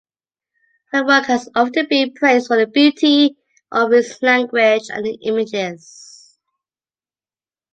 Her work has often been praised for the beauty of its language and images.